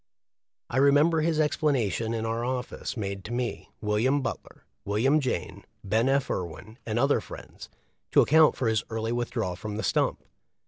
I remember his explanation in our office made to me, William Butler, William Jayne, Ben. F. Irwin, and other friends, to account for his early withdrawal from the stump.